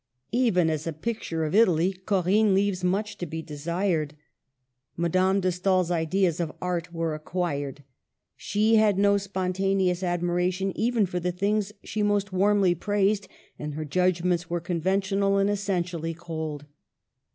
Even as a picture of Italy, Corinne leaves much to be desired. Madame de Stael's ideas of art were acquired. She had no spontaneous admiration even for the things she most warmly praised, and her judgments were conventional and essentially cold.